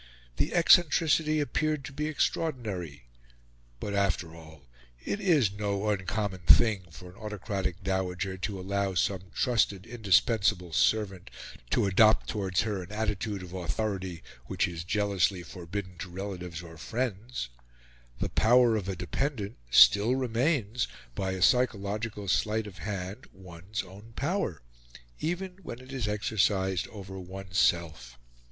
The eccentricity appeared to be extraordinary; but, after all, it is no uncommon thing for an autocratic dowager to allow some trusted indispensable servant to adopt towards her an attitude of authority which is jealously forbidden to relatives or friends: the power of a dependent still remains, by a psychological sleight of hand, one's own power, even when it is exercised over oneself.